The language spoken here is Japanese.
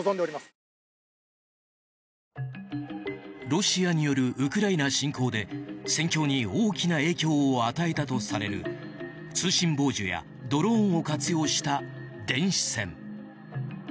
ロシアによるウクライナ侵攻で戦況に大きな影響を与えたとされる通信傍受やドローンを活用した電子戦。